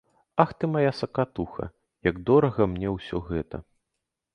Ах ты мая сакатуха, як дорага мне ўсё гэта!